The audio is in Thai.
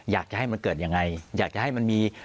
อยากจะให้มันเกิดยังไงอยากจะให้มันมี